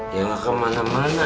ya enggak kemana mana